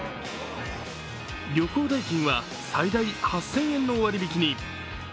旅行代金は最大８０００円の割り引きに。